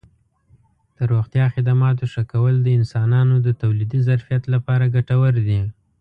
د روغتیا خدماتو ښه کول د انسانانو د تولیدي ظرفیت لپاره ګټور دي.